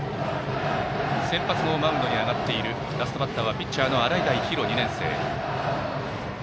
先発のマウンドに上がっているラストバッターはピッチャーの洗平比呂、２年生。